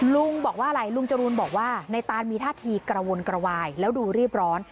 ลุงบอกว่าอะไรลุงจรูนบอกว่าในตานมีท่าทีกระวนกระวายแล้วดูรีบร้อน